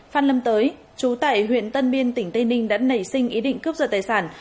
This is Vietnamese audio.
phan lâm tới chú tại huyện tân biên tỉnh tây ninh đã nảy sinh ý định cướp giật tài sản